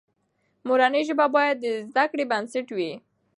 مورنۍ ژبه باید د زده کړې بنسټ وي.